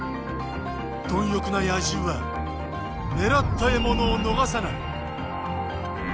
貪欲な野獣は狙った獲物を逃さない。